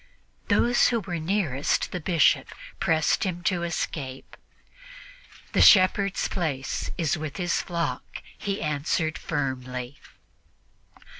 Those who were nearest the Bishop pressed him to escape. "The shepherd's place is with his flock," he answered firmly.